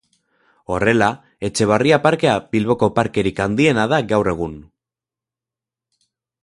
Horrela, Etxebarria Parkea Bilboko parkerik handiena da gaur egun.